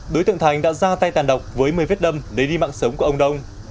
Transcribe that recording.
đối tượng thành đã ra tay tàn độc với một mươi vết đâm lấy đi mạng sống của ông đông